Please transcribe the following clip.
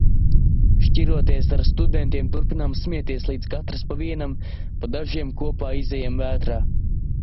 Šķiroties ar studentiem turpinām smieties, līdz katrs pa vienam, pa dažiem kopā izejam vētrā.